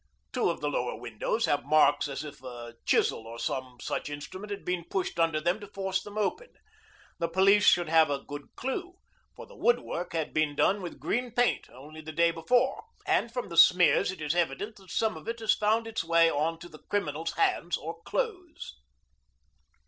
Two of the lower windows have marks as if a chisel or some such instrument had been pushed under them to force them open. The police should have a good clue, for the wood work had been done with green paint only the day before, and from the smears it is evident that some of it has found its way on to the criminal's hands or clothes.